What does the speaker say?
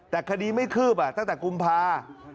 แต่คดีไม่คืบตั้งแต่กุมภา